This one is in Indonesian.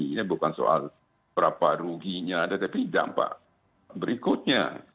ini bukan soal berapa ruginya ada tapi dampak berikutnya